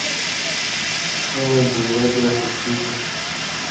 Memory typewriters helped reduce the amount of time needed for lawyers to revise documents.